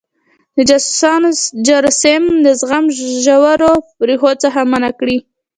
د جاسوسانو جراثیم له زخم ژورو ریښو څخه منع کړي.